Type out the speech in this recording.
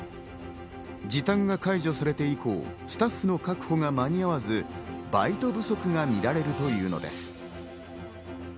時短が解除されて以降、スタッフの確保が間に合わず、バイト不足が見られるというのです。